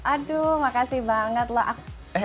aduh makasih banget lah